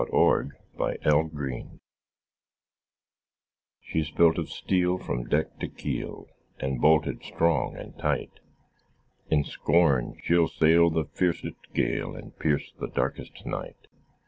THE WORD OF AN ENGINEER "She's built of steel From deck to keel, And bolted strong and tight; In scorn she'll sail The fiercest gale, And pierce the darkest night.